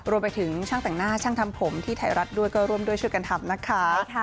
รวมไปถึงช่างแต่งหน้าช่างทำผมที่ไทยรัฐด้วยก็ร่วมด้วยช่วยกันทำนะคะ